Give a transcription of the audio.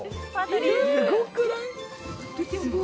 すごくない。